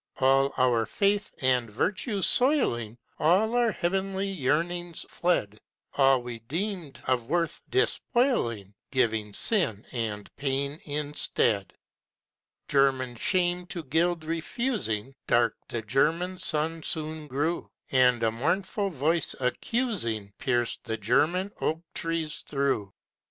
All our faith and virtue soiling, All our heavenly yearnings fled, All we deemed of worth, despoiling, Giving sin and pain instead. German shame to gild refusing, Dark the German sun soon grew, And a mournful voice accusing Pierced the German oak trees through.